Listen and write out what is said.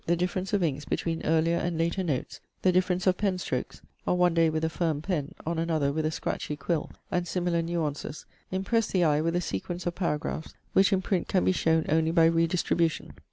the difference of inks between earlier and later notes, the difference of pen strokes (on one day with a firm pen, on another with a scratchy quill), and similar nuances, impress the eye with a sequence of paragraphs which in print can be shown only by redistribution.